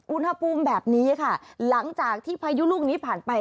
อุณหภูมิแบบนี้ค่ะหลังจากที่พายุลูกนี้ผ่านไป